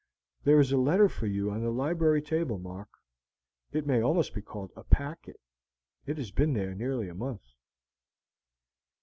There is a letter for you on the library table, Mark; it may almost be called a packet; it has been here nearly a month."